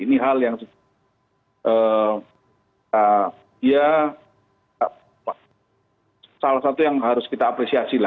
ini hal yang salah satu yang harus kita apresiasi lah